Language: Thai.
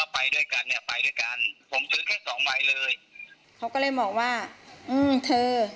ไปด้วยกันผมซื้อแค่๒ฝ่ายเลยเค้าก็เลยบอกว่าอื่มเธอ